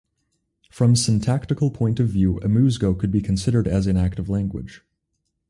From syntactical point of view Amuzgo can be considered as an active language.